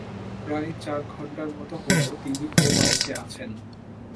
প্রায় চার ঘন্টার মতো হল, তিনি এ বাড়িতে আছেন।